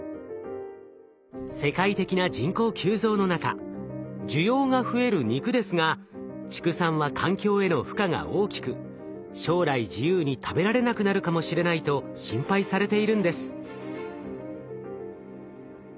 世界的な人口急増の中需要が増える肉ですが畜産は環境への負荷が大きく将来自由に食べられなくなるかもしれないと心配されているんです。